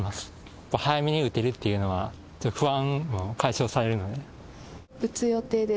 やっぱ早めに打てるっていうのは、不安も解消されるので。